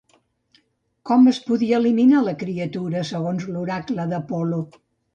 Com es podia eliminar la criatura segons l'oracle d'Apol·lo?